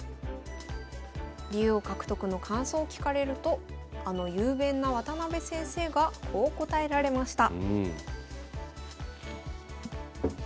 竜王獲得の感想を聞かれるとあの雄弁な渡辺先生がこう答えられました。